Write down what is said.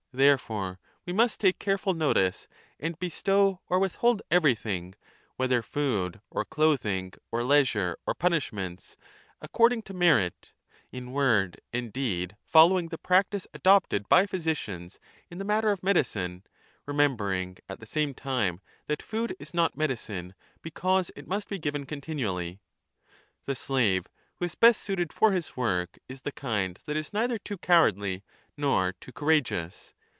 Therefore we must take careful notice and bestow or withhold everything, whether food or clothing or leisure or punishments, according to merit, in word and deed following the practice adopted by physicians in the matter of medicine, remembering at the 10 same time that food is not medicine because it must be given continually. The slave who is best suited for his work is the kind that is neither too cowardly nor too courageous.